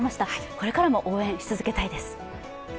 これからも応援し続けたいです。